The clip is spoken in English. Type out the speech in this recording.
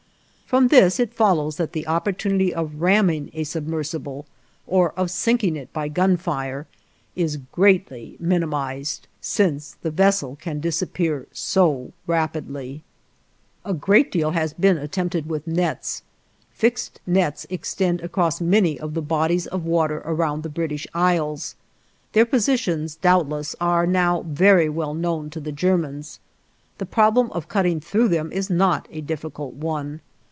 From this it follows that the opportunity of ramming a submersible, or of sinking it by gunfire, is greatly minimized, since the vessel can disappear so rapidly. [Illustration: Photograph from Underwood & Underwood, N.Y. INTERIOR OF A SUBMARINE] A great deal has been attempted with nets. Fixed nets extend across many of the bodies of water around the British Isles. Their positions, doubtless, are now very well known to the Germans. The problem of cutting through them is not a difficult one.